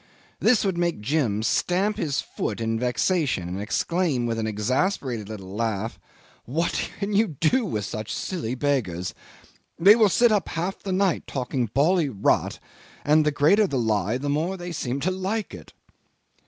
'This would make Jim stamp his foot in vexation and exclaim with an exasperated little laugh, "What can you do with such silly beggars? They will sit up half the night talking bally rot, and the greater the lie the more they seem to like it."